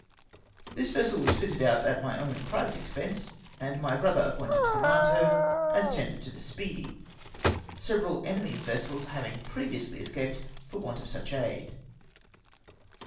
This vessel was fitted out at my own private expense, and my brother appointed to command her, as a tender to the Speedy ; several enemy's vessels having previously escaped for want of such aid.